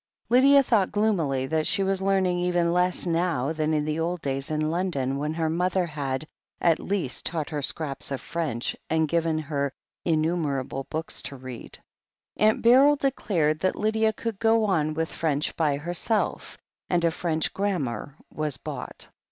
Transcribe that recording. Lydia thought gloomily that she was learning even less now than in the old days in London, when her mother had, at least, taught her scraps of French, and given her innumerable books to read. Aunt Beryl declared that Lydia could go on with French by her self, and a French grammar was bought.